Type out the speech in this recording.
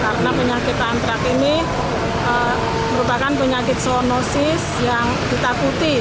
karena penyakit antraks ini merupakan penyakit zoonosis yang kita putih